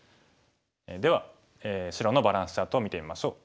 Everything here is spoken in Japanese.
では白のバランスチャートを見てみましょう。